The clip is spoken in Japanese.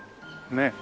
ねえ。